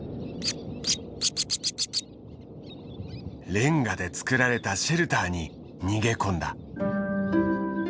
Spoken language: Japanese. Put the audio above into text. レンガでつくられたシェルターに逃げ込んだ。